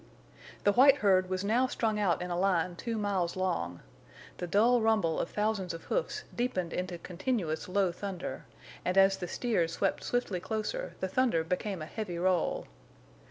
The white herd was now strung out in a line two miles long. The dull rumble of thousands of hoofs deepened into continuous low thunder, and as the steers swept swiftly closer the thunder became a heavy roll.